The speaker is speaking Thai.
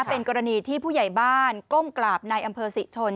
เป็นกรณีที่ผู้ใหญ่บ้านก้มกราบในอำเภอศรีชน